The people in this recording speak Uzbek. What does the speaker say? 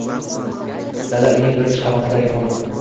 Dala uyning birinchi qavatidagi xona.